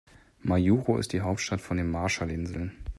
Majuro ist die Hauptstadt von den Marshallinseln.